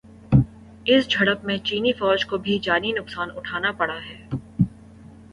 اس جھڑپ میں چینی فوج کو بھی جانی نقصان اٹھانا پڑا ہے